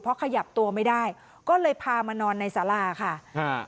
เพราะขยับตัวไม่ได้ก็เลยพามานอนในสาราค่ะอ่า